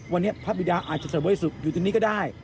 วันนี้พระบิดาอาจจะเสริมบริสุทธิ์อยู่ตรงนี้ก็ได้